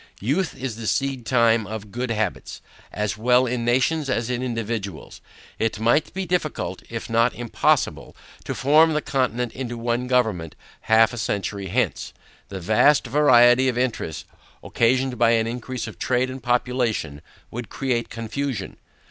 Youth is the seed time of good habits, as well in nations as in individuals. It might be difficult, if not impossible, to form the Continent into one government half a century hence. The vast variety of interests, occasioned by an increase of trade and population, would create confusion.